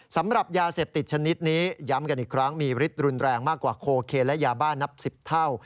สำหรับยาเสพติดชนิดนี้ย้ำกันอีกครั้งมีฤทธิรุนแรงมากกว่าโคเคนและยาบ้านับ๑๐เท่า